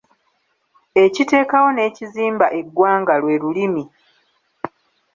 Ekiteekawo n'ekizimba eggwanga, lwe lulimi.